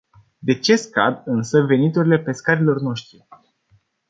De ce scad însă veniturile pescarilor noștri?